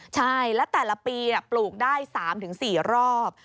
ใช่และแต่ละปีปลูกได้๓๔รอบ